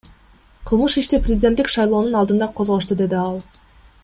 Кылмыш ишти президенттик шайлоонун алдында козгошту, — деди ал.